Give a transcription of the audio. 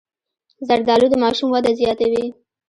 زردالو د ماشوم وده زیاتوي.